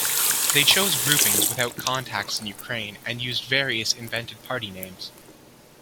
They chose groupings without contacts in Ukraine, and used various invented party names.